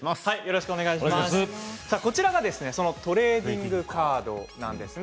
こちらが、そのトレーディングカードなんです。